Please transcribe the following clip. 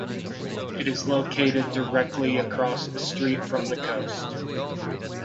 It is located directly across the street from the coast.